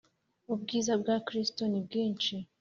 Ubwiza bwa Kristo nibwishi.